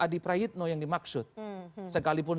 adi prayitno yang dimaksud sekalipun